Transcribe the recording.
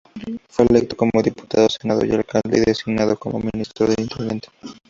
Fue electo como diputado, senador y alcalde, y designado como ministro e intendente.